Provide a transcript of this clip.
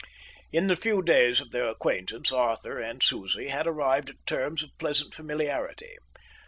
In the few days of their acquaintance Arthur and Susie had arrived at terms of pleasant familiarity.